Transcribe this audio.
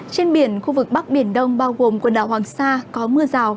trên biển khu vực bắc biển đông bao gồm quần đảo hoàng sa có mưa rào